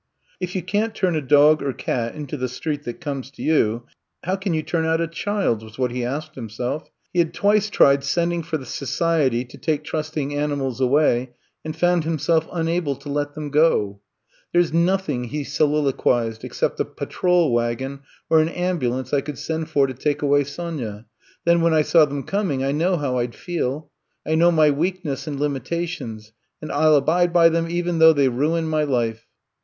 If you can^t turn a dog or cat into the street that comes to you, how can you turn out a childf was what he asked himself. He had twice tried sending for the Society 65 66 I'VE COME TO STAY to take trusting animals away and found himself unable to let them go. There *s nothing,'* he soliloquized, except a pa trol wagon or an ambulance I could send for to take away Sonya, then when I saw them coming I know how I 'd feel. I know my weakness and limitations and I '11 abide by them even though they ruin my life.